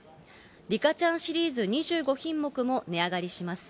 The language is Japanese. リカちゃんシリーズ２５品目も値上がりします。